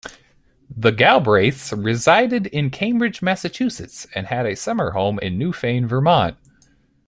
The Galbraiths resided in Cambridge, Massachusetts, and had a summer home in Newfane, Vermont.